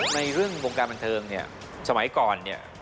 ในเรื่องวงการบันเทิงเนี่ยสมัยก่อนเนี่ย